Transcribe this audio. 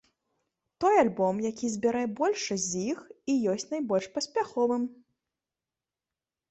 Той альбом, які забярэ большасць з іх, і ёсць найбольш паспяховым.